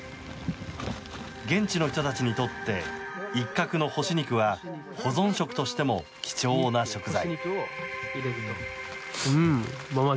現地の人たちにとってイッカクの干し肉は保存食としても貴重な食材。